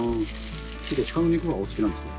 結構シカの肉がお好きなんですか？